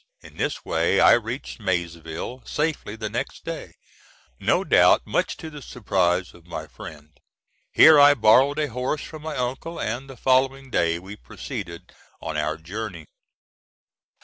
In this way I reached Maysville safely the next day, no doubt much to the surprise of my friend. Here I borrowed a horse from my uncle, and the following day we proceeded on our journey.